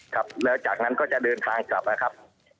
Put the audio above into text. ครับแล้วจากนั้นก็จะเดินทางกลับนะครับ